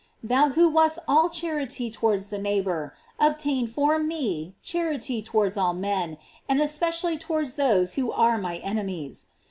Thou who wast all charity towards the neighbor, obtain for me charity towards all men, and es pecially towards those who are my enemies.